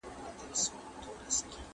¬ چي تور نه مري، بور به هم نه مري.